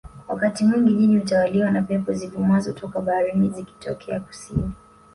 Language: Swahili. Wakati mwingi jiji hutawaliwa na pepo zivumazo toka baharini zikitokea Kusini